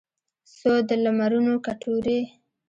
څو د لمرونو کټوري